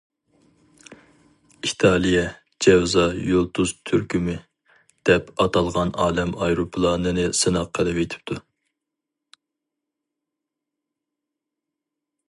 ئىتالىيە‹‹ جەۋزا يۇلتۇز تۈركۈمى››, دەپ ئاتالغان ئالەم ئايروپىلانىنى سىناق قىلىۋېتىپتۇ.